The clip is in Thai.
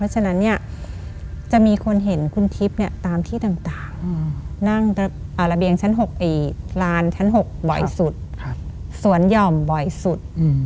สวนหย่อมบ่อยสุด